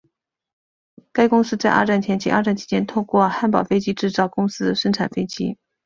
该公司在二战前及二战期间透过汉堡飞机制造公司生产飞机。